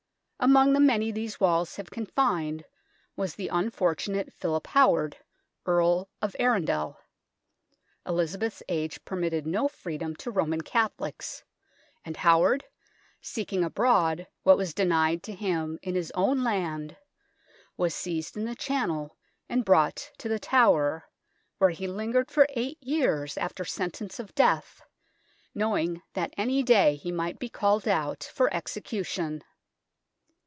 Among the many these walls have confined was the unfortunate Philip Howard, Earl of Arundel. Elizabeth's age permitted no free dom to Roman Catholics, and Howard, seek ing abroad what was denied to him in his own land, was seized in the Channel and brought to The Tower, where he lingered for eight years after sentence of death, knowing that any day he might be called out for execution.